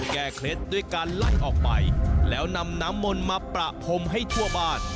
เคล็ดด้วยการไล่ออกไปแล้วนำน้ำมนต์มาประพรมให้ทั่วบ้าน